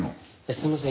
すいません。